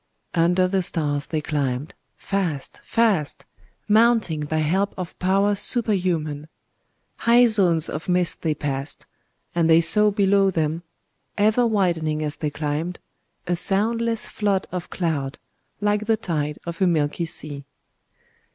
Under the stars they climbed,—fast, fast,—mounting by help of power superhuman. High zones of mist they passed; and they saw below them, ever widening as they climbed, a soundless flood of cloud, like the tide of a milky sea.